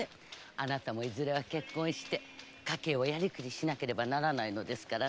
あなたもいずれは結婚して家計をやりくりしなければならないのですから。